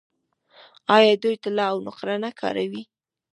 آیا دوی طلا او نقره نه کاروي؟